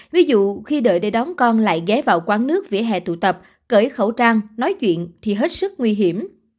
ví dụ khi đợi để đón con lại ghé vào quán nước vỉa hè tụ tập cỡ khẩu trang nói chuyện thì hết sức nguy hiểm